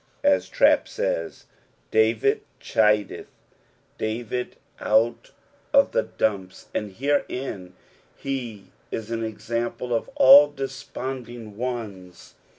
As Trapp says, "David chideth David out of the dumps ;" and herein he is an example for all desponding ones.